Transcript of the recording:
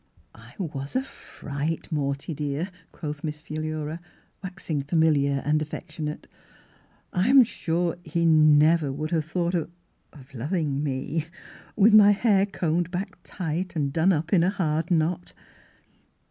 " I was a fright, Morty dear," quoth Miss Philura, waxing familiar and affec tionate. " I am sure he never would have thought of — of — loving me, with my hair combed back tight and done up in a hard knot